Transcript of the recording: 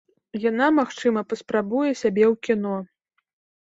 Яна, магчыма, паспрабуе сябе ў кіно.